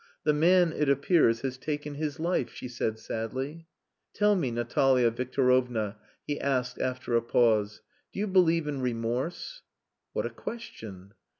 "The man, it appears, has taken his life," she said sadly. "Tell me, Natalia Victorovna," he asked after a pause, "do you believe in remorse?" "What a question!"